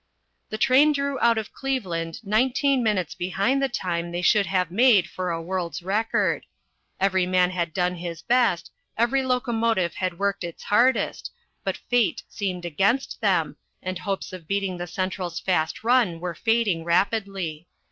The train drew out of Cleveland 19 minutes behind the time they should have made for a world's record. Every man had done his best, every locomotive had worked its hardest, but fate seemed against them and hopes of beating the Central's fast run were fading rapidly.